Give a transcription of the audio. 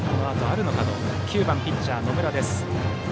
打席には９番ピッチャー野村です。